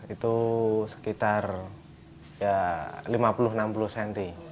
dua ribu enam belas itu sekitar lima puluh enam puluh cm